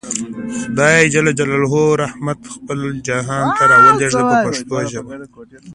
خدای رحمت خپل جهان ته راولېږه په پښتو ژبه.